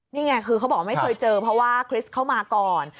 นี่ไงคือเขาบอกว่าไม่เคยเจอเพราะว่าคริสต์เข้ามาก่อน